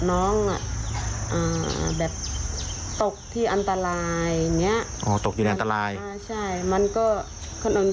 น้องอ่ะแบบตกที่อันตรายอย่างนี้ตกอยู่ในอันตรายใช่มันก็คนนั้น